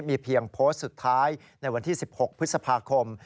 มีเพียงโพสต์สุดท้ายในวันที่๑๖พฤษภาคม